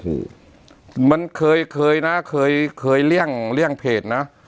เหมือนเคยนะเคยเลี่ยงเพจนะ